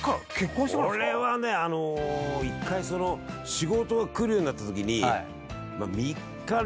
俺はねあの１回仕事が来るようになったときに。